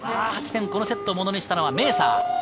このセットをものにしたのはメーサー。